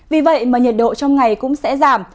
vì vậy mà nhiệt độ trong ngày cũng sẽ giảm